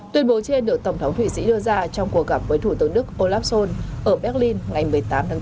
tuyên bố trên được tổng thống thụy sĩ đưa ra trong cuộc gặp với thủ tướng đức olaf scholz ở berlin ngày một mươi tám tháng bốn